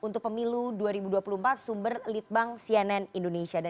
tim liputan cnn indonesia